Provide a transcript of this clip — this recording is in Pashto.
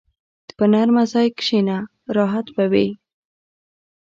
په نرمه ځای کښېنه، راحت به وي.